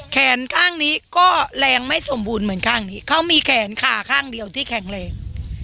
แขนข้างนี้ก็แรงไม่สมบูรณ์เหมือนข้างนี้เขามีแขนขาข้างเดียวที่แข็งแรง